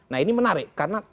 nah ini menarik karena